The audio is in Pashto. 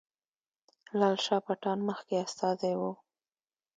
لال شاه پټان مخکې استازی وو.